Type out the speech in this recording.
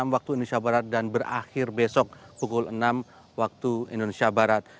waktu indonesia barat dan berakhir besok pukul enam waktu indonesia barat